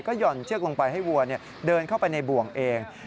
หย่อนเชือกลงไปให้วัวเดินเข้าไปในบ่วงเอง